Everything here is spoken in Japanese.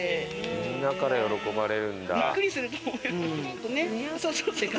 みんなから喜ばれるんだ。